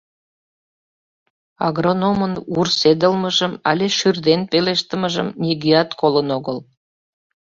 Агрономын вурседылмыжым але шӱрден пелештымыжым нигӧат колын огыл.